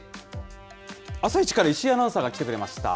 あさイチから石井アナウンサーが来てくれました。